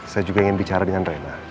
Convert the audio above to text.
saya juga ingin bicara dengan rena